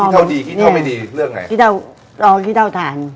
ขี้เท่าดีขี้เท่าไม่ดีเลือกไง